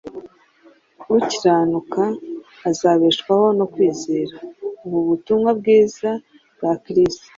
Ukiranuka azabeshwaho no kwizera.’ Ubu butumwa bwiza bwa Kristo,